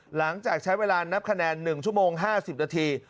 หลังจากใช้เวลานับคะแนน๑ชั่วโมง๕๐นาที